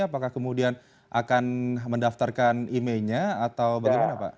apakah kemudian akan mendaftarkan emailnya atau bagaimana pak